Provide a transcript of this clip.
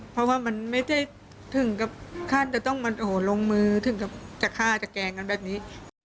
เพราะว่ามันไม่ได้ถึงกับขั้นจะต้องลงมือถึงกับจะฆ่าจะแกล้งกันแบบนี้